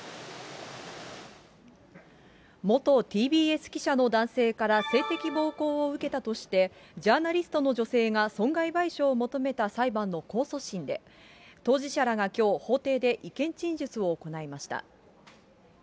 元ＴＢＳ記者の男性から性的暴行を受けたとして、ジャーナリストの女性が損害賠償を求めた裁判の控訴審で、当事者らがきょう、法廷で意見陳述を行いました。